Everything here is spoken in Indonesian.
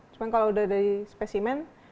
cuma kalau udah dari spesimen